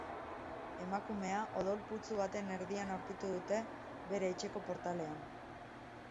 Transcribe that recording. Emakumea odol putzu baten erdian aurkitu dute, bere etxeko portalean.